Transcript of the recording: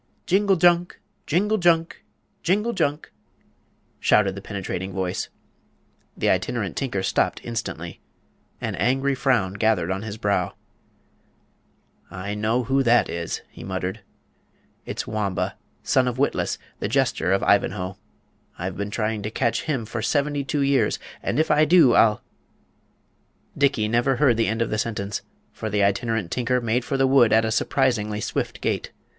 "Jingle junk! jingle junk! jingle junk!" shouted the penetrating voice. The Itinerant Tinker stopped instantly. An angry frown gathered on his brow. "I know who that is," he muttered. "It's Wamba, son of Witless, the Jester of Ivanhoe. I've been trying to catch him for seventy two years, and if I do, I'll " Dickey never heard the end of the sentence for the Itinerant Tinker made for the wood at a surprisingly swift gait.